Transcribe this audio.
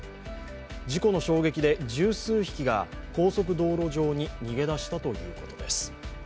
事故の衝撃で十数匹が高速道路上に逃げ出したということです。